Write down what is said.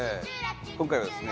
今回はですね